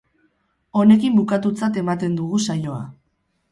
Honekin bukatutzat ematen dugu saioa.